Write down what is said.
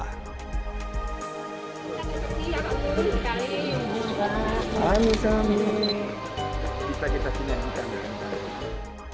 bersama banyuwangi banyuwangi banyuwangi